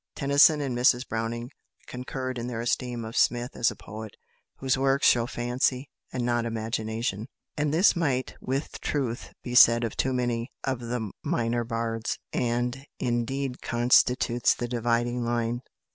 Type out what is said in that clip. Tennyson and Mrs Browning concurred in their esteem of Smith as a poet "whose works show fancy, and not imagination"; and this might with truth be said of too many of the minor bards, and, indeed, constitutes the dividing line.